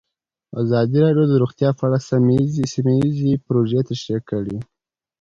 ازادي راډیو د روغتیا په اړه سیمه ییزې پروژې تشریح کړې.